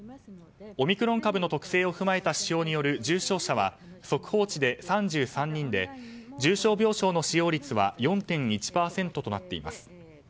オミクロン株の特性を踏まえた指標による重症者は速報値で３３人で重症病床の使用率は４．１％となっています。